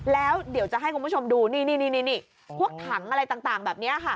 แล้วเดี๋ยวจะให้คุณผู้ชมดูนี่พวกถังอะไรต่างแบบนี้ค่ะ